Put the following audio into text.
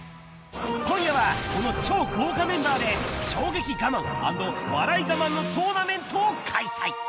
今夜は、この超豪華メンバーで、衝撃ガマン＆笑いガマンのトーナメントを開催。